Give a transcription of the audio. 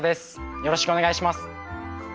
よろしくお願いします。